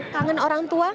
kangen orang tua